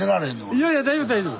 いやいや大丈夫大丈夫。